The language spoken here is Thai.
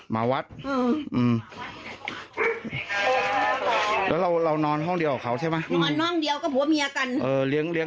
แม้แก่แล้วเจ้าหลวงเพื่อนมันตายไปหมดแล้ว